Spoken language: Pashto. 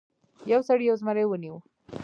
یو سړي یو زمری ونیو.